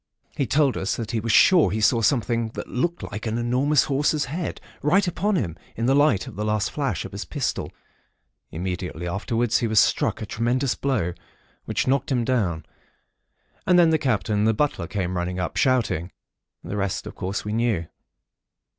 He told us that he was sure he saw something that looked like an enormous horse's head, right upon him, in the light of the last flash of his pistol. Immediately afterwards, he was struck a tremendous blow, which knocked him down; and then the Captain and the butler came running up, shouting. The rest, of course, we knew.